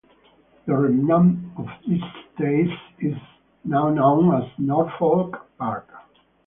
The remnant of this estate is now known as Norfolk Park.